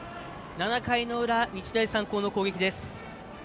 ７回の裏、日大三高の攻撃です。